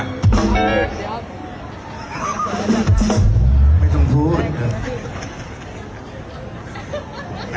แอฟที่มีดนตรีนะ